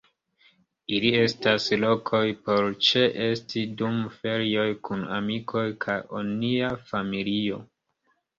Ili estas lokoj por ĉeesti dum ferioj kun amikoj kaj onia familio.